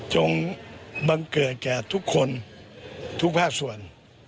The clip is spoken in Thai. บังเกิดแก่ทุกคนทุกภาคส่วน